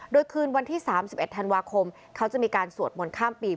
โดยคืนวันที่๓๑ธันวาคมเขาจะมีการสวดมนต์ข้ามปี